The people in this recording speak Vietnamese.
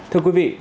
thưa quý vị